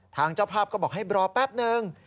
เจ้าภาพก็บอกให้รอแป๊บนึง